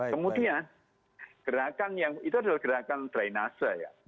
kemudian gerakan yang itu adalah gerakan drainase ya